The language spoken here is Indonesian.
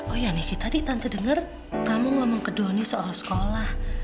oh ya niki tadi tante dengar kamu ngomong ke doni soal sekolah